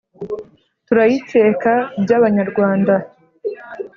Turayikeka by'abanyarwanda